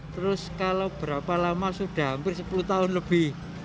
terus kalau berapa lama sudah hampir sepuluh tahun lebih